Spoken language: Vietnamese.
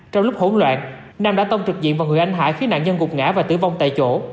trong lúc hỗn loạn nam đã tông trực diện vào người anh hải khiến nạn nhân gục ngã và tử vong tại chỗ